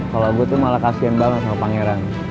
kalau gue tuh malah kasian banget sama pangeran